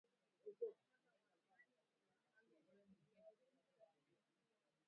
mkataba wa amani na serikali ya jamhuri ya kidemokrasia ya Kongo